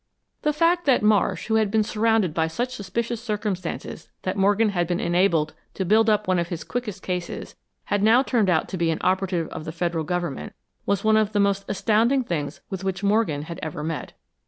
The fact that Marsh, who had been surrounded by such suspicious circumstances that Morgan had been enabled to build up one of his quickest cases, had now turned out to be an operative of the Federal Government, was one of the most astounding things with which Morgan had ever met.